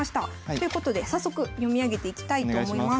ということで早速読み上げていきたいと思います。